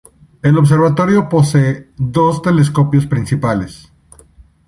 El observatorio posee dos telescopios principales.